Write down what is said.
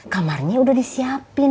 kamarnya udah disiapin